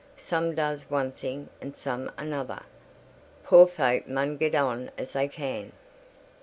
"Some does one thing, and some another. Poor folk mun get on as they can."